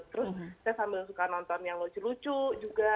terus saya sambil suka nonton yang lucu lucu juga